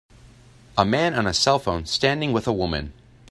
A man on a cellphone standing with a woman.